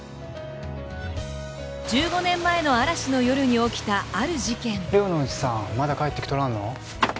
１５年前の嵐の夜に起きたある事件・寮のおじさんまだ帰ってきとらんの？